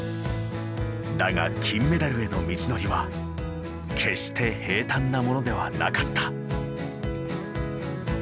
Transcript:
だが金メダルへの道のりは決して平たんなものではなかった。